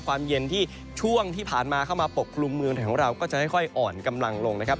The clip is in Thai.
ความเย็นที่ช่วงที่ผ่านมาเข้ามาปกคลุมเมืองไทยของเราก็จะค่อยอ่อนกำลังลงนะครับ